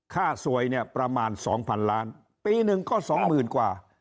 ค่าสวยเนี่ยประมาณ๒๐๐๐ล้านปีหนึ่งก็สองหมื่นกว่า